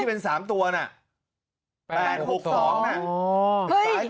เป็น๓ตัวน่ะ๘๖๒น่ะ